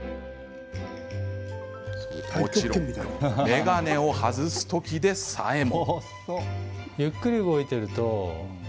もちろん眼鏡を外す時でさえも。